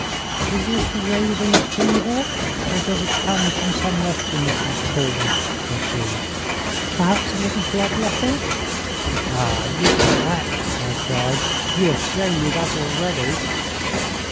'Is this the raving of fever, or does it come from some less innocent cause?' said she. 'Perhaps a little blood letting ' 'Ah, you can act!' I cried. 'You have shown me that already.'